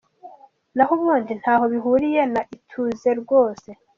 Naho ubundi ntaho bihuriye na Ituze rwose.